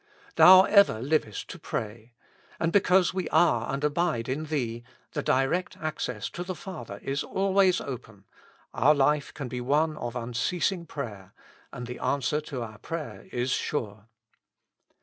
Thou ever livest to pray. And because we are and abide in Thee, the direct access to the Father is always open, our life can be one of unceasing prayer, and the answer to our prayer is sure.